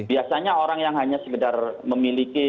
biasanya orang yang hanya sekedar memiliki